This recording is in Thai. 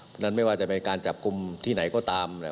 เพราะฉะนั้นไม่ว่าจะเป็นการจับกลุ่มที่ไหนก็ตามเนี่ย